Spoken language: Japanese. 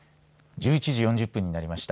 １１時４０分になりました。